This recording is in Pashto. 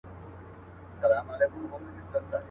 له هوا به پر هوسۍ حمله کومه.